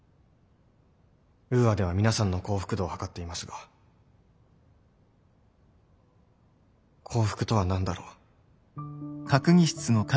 ウーアでは皆さんの幸福度をはかっていますが幸福とは何だろう。